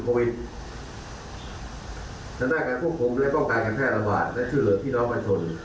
จำเป็นต้องออกมาตรการเป็นสถานที่ต่าง